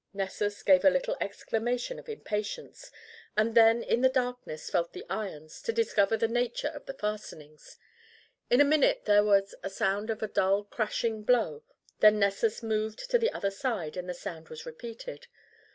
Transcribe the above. Nessus gave a little exclamation of impatience, and then in the darkness felt the irons to discover the nature of the fastenings. In a minute there was a sound of a dull crashing blow, then Nessus moved to the other side and the sound was repeated.